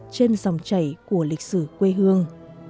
trên dòng chảy của lịch sử quê hương